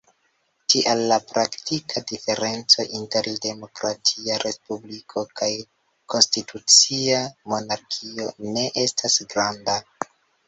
Tial, la praktika diferenco inter demokratia respubliko kaj konstitucia monarkio ne estas granda.